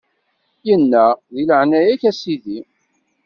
Inna: Di leɛnaya-k, a Sidi!